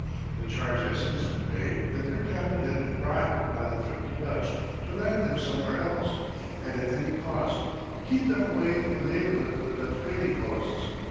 The charge has since been made that their captain had been bribed by the thrifty Dutch to land them somewhere else, and at any cost, to keep them away from the neighborhood of the Dutch trading posts.